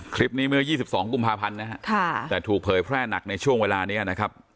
คลิปนี้เมื่อ๒๒กุมภาพันธ์นะฮะแต่ถูกเผยแพร่หนักในช่วงเวลานี้นะครับ